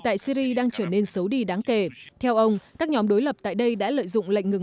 tại syri đang trở nên xấu đi đáng kể theo ông các nhóm đối lập tại đây đã lợi dụng lệnh ngừng